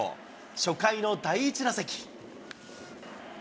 初回の第１打席。